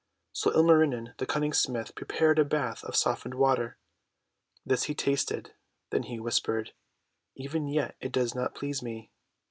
So Ilmarinen the Cunning Smith prepared a bath of softened water. This he tasted, then he whispered :— ;<Even yet it does not please me.